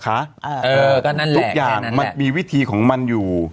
เออก็นั่นแหละแค่นั้นแหละทุกอย่างมันมีวิถีของมันอยู่